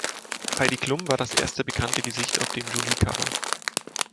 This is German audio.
Heidi Klum war das erste bekannte Gesicht auf dem Jolie-Cover.